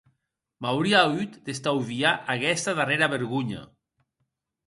M’auria auut d’estauviar aguesta darrèra vergonha.